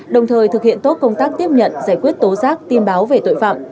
đồng thời thực hiện tốt công tác tiếp nhận giải quyết tố giác tin báo về tội phạm